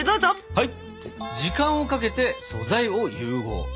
はい。